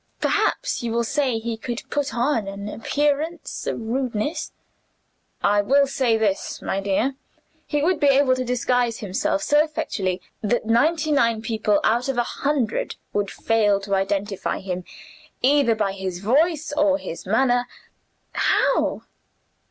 Perhaps you will say he could put on an appearance of rudeness?" "I will say this, my dear. He would be able to disguise himself so effectually that ninety nine people out of a hundred would fail to identify him, either by his voice or his manner." "How?"